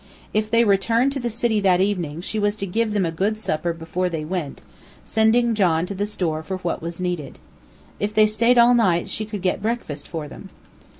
If they returned to the city that evening, she was to give them a good supper before they went, sending John to the store for what was needed. If they stayed all night, she could get breakfast for them.